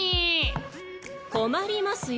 困りますよ。